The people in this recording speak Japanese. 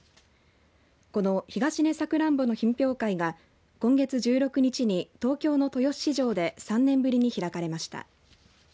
この東根さくらんぼの品評会が今月１６日に東京の豊洲市場で３年ぶりに開かれました。